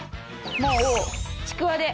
もうちくわで。